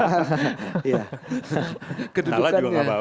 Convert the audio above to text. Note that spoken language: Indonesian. salah juga enggak apa apa